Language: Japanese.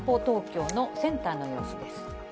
東京のセンターの様子です。